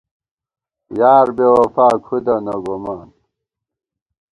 یار بےوفا کھُدہ نہ گومان،